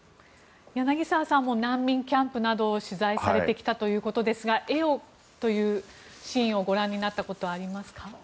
柳澤さんも難民キャンプなどを取材されてきたということですが絵をというシーンをご覧になったことはありますか？